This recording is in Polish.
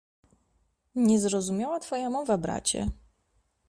Niezrozumiała twoja mowa, bracie.